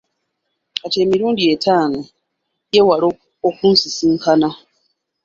Kati emirundi etaano, yeewala okunsisinkana.